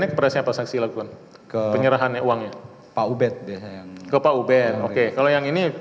kalau yang op wichen ini